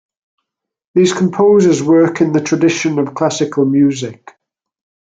These composers work in the tradition of classical music.